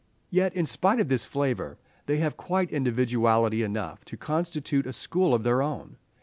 Yet, in spite of this flavour, they have quite individuality enough to constitute a school of their own.